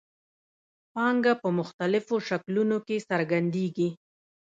پانګه په مختلفو شکلونو کې څرګندېږي